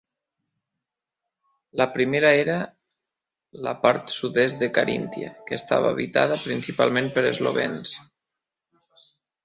La primera era la part sud-est de Caríntia, que estava habitada principalment per eslovens.